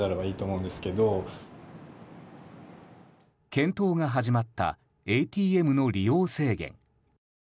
検討が始まったＡＴＭの利用制限。